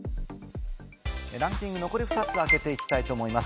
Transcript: ランキング残り２つを開けていきたいと思います。